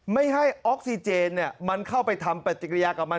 ไม่ให้ออกซีเจนเข้าไปทำประจักรยากับมัน